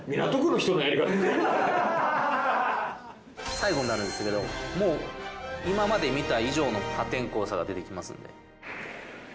最後になるんですけどもう今まで見た以上の破天荒さが出てきますんで。